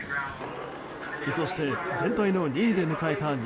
そして全体の２位で迎えた